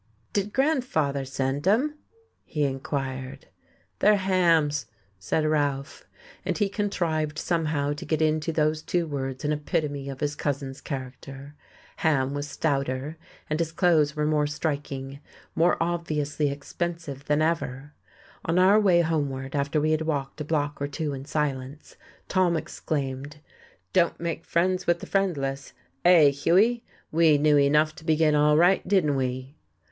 "Did grandfather send 'em?" he inquired. "They're Ham's," said Ralph, and he contrived somehow to get into those two words an epitome of his cousin's character. Ham was stouter, and his clothes were more striking, more obviously expensive than ever.... On our way homeward, after we had walked a block or two in silence, Tom exclaimed: "Don't make friends with the friendless! eh, Hughie? We knew enough to begin all right, didn't we?"...